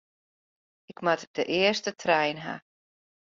Ik moat de earste trein ha.